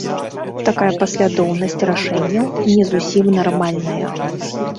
Такая паслядоўнасць рашэнняў не зусім нармальная.